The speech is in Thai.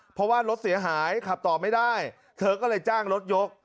เพราะว่ารถเสียหายขับต่อไม่ได้เธอก็เลยจ้างรถยก